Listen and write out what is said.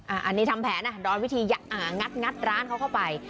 อ่าอันนี้ทำแผนอ่ะโดยวิธียะอ่างัดงัดร้านเขาเข้าไป